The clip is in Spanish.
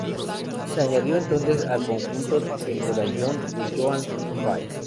Se añadió entonces al conjunto el medallón de Joan Pie.